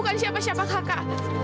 bukan siapa siapa kakak